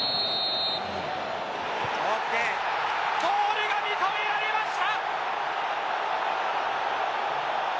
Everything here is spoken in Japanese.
ゴールが認められました。